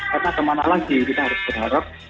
karena kemana lagi kita harus berharap